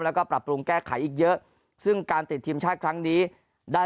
แล้วก็ปรับปรุงแก้ไขอีกเยอะซึ่งการติดทีมชาติครั้งนี้ได้